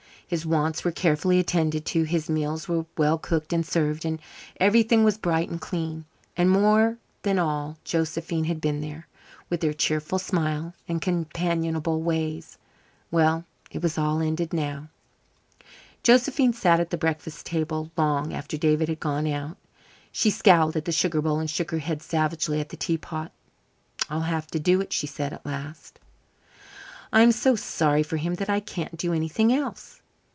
His wants were carefully attended to; his meals were well cooked and served, and everything was bright and clean. And more than all, Josephine had been there, with her cheerful smile and companionable ways. Well, it was all ended now. Josephine sat at the breakfast table long after David had gone out. She scowled at the sugar bowl and shook her head savagely at the tea pot. "I'll have to do it," she said at last. "I'm so sorry for him that I can't do anything else."